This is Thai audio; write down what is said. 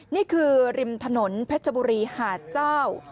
นี่คือริมถนนเพชรบุรีหาเจ้า